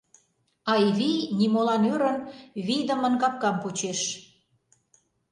Айвий, нимолан ӧрын, вийдымын капкам почеш.